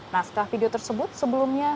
naskah video tersebut sebelumnya